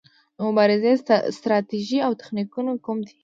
د مبارزې ستراتیژي او تخنیکونه کوم دي؟